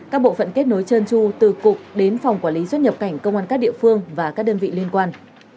các bộ phận kết nối trơn tru từ cục đến phòng quản lý xuất nhập cảnh công an các địa phương và các đơn vị liên quan